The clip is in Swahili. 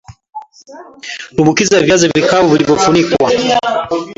Tumbukiza viazi vikavu ulivyovifunika